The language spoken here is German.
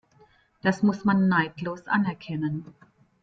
Das muss man neidlos anerkennen.